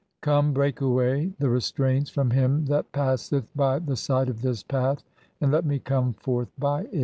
Come, break away (4) "the restraints from him that passeth by the side of this path, "and let me come forth by it."